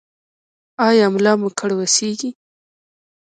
ایا ملا مو کړوسیږي؟